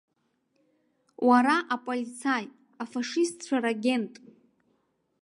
Уара аполицаи, афашистцәа рагент!